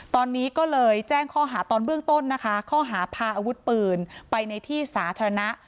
ตอนนี้ก็เลยแจ้งข้อหาตอนเบื้องต้นนะคะข้อหาพาอาวุธปืนไปในที่สาธารณะ